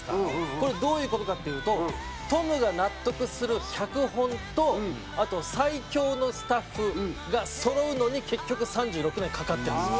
これどういう事かっていうとトムが納得する脚本とあと最強のスタッフがそろうのに結局３６年かかってるんですよ。